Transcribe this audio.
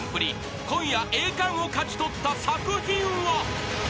［今夜栄冠を勝ち取った作品は］